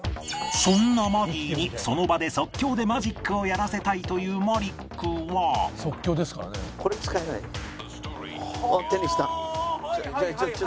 そんなマギーにその場で即興でマジックをやらせたいというマリックはおっ手にした。